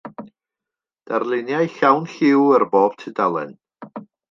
Darluniau llawn lliw ar bob tudalen.